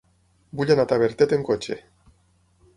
Vull anar a Tavertet amb cotxe.